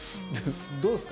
どうですか？